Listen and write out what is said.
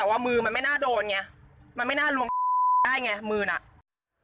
แต่ว่ามือมันไม่น่าโดนไงมันไม่น่าลวงได้ไงมือน่ะ